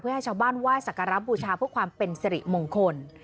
เพื่อให้ชาวบ้านไหว้สักการรับบูชาพวกความเป็นสิริมงคล